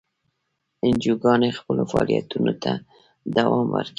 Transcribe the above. انجیوګانې خپلو فعالیتونو ته دوام ورکوي.